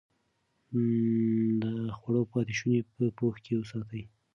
د خوړو پاتې شوني په پوښ کې وساتئ.